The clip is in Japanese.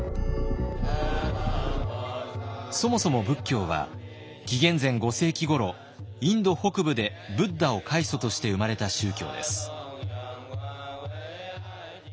そもそも仏教は紀元前５世紀ごろインド北部でブッダを開祖として生まれた宗教です。